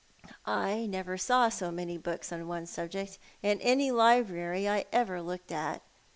I never saw so many books upon one subject in any library I ever looked at.